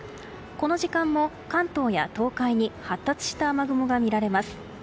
この時間も関東や東海に発達した雨雲が見られます。